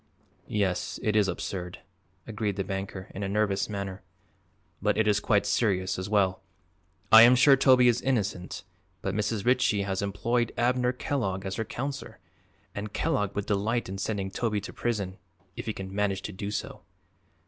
"Yes, it is absurd," agreed the banker, in a nervous manner, "but it is quite serious, as well. I am sure Toby is innocent, but Mrs. Ritchie has employed Abner Kellogg as her counselor and Kellogg would delight in sending Toby to prison if he can manage to do so."